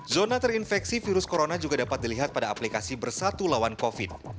zona terinfeksi virus corona juga dapat dilihat pada aplikasi bersatu lawan covid